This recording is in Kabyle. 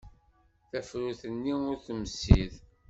Tafrut-nni ur temsid.